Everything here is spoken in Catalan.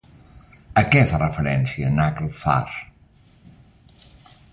A què fa referència Naglfar?